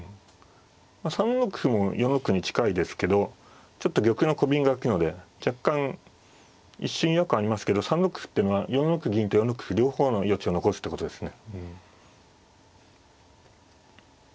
３六歩も４六歩に近いですけどちょっと玉のコビンがあくので若干一瞬違和感ありますけど３六歩ってのは４六銀と４六歩両方の余地を残すってことですね。